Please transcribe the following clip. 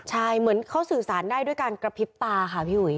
ใช่เหมือนเขาสื่อสารได้ด้วยการกระพริบตาค่ะพี่อุ๋ย